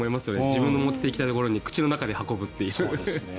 自分の持っていきたいところに口の中で運ぶっていう。